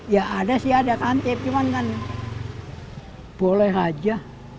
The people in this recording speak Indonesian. ya ada sih ada kantip cuman kan boleh saja